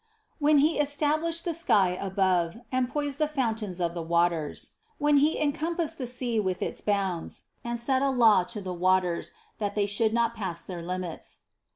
66. "When he established the sky above, and poised the fountains of the waters; when he encompassed the sea with its bounds, and set a law to the waters, that they should not pass their limits."